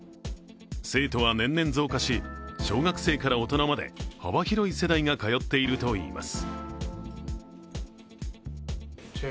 生徒は年々増加し、小学生から大人まで幅広い世代が通っているといいます。